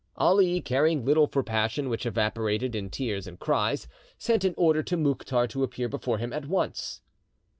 Ali, caring little for passion which evaporated in tears and cries, sent an order to Mouktar to appear before him at once.